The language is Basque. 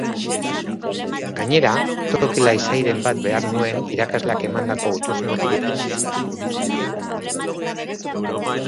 Gainera, toki lasairen bat behar nuen irakasleak emandako gutunazalaren edukia aztertzeko.